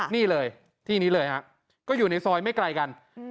นี่เลยที่นี้เลยฮะก็อยู่ในซอยไม่ไกลกัน